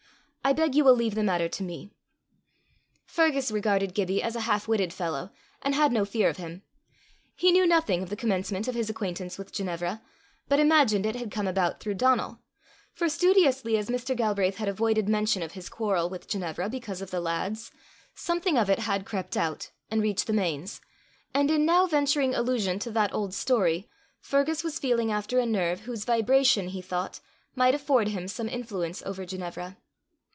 I beg you will leave the matter to me." Fergus regarded Gibbie as a half witted fellow, and had no fear of him. He knew nothing of the commencement of his acquaintance with Ginevra, but imagined it had come about through Donal; for, studiously as Mr. Galbraith had avoided mention of his quarrel with Ginevra because of the lads, something of it had crept out, and reached the Mains; and in now venturing allusion to that old story, Fergus was feeling after a nerve whose vibration, he thought, might afford him some influence over Ginevra.